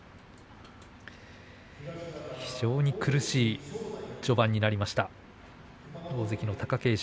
非常に苦しい序盤になりました大関の貴景勝。